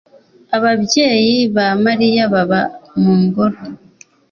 Ababyeyi ba Mariya baba mu ngoro